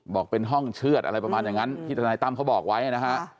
บอกเป็นห้องเชื่อดอะไรประมาณอย่างนั้นที่ทนายตั้มเขาบอกไว้นะฮะ